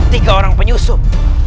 tiga orang penyusup